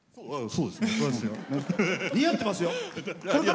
そうですね。